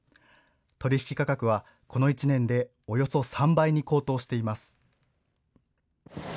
取引価格はこの１年でおよそ３倍に高騰しています。